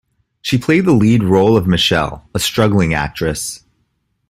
She played the lead role of Michelle, a struggling actress.